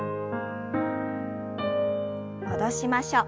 戻しましょう。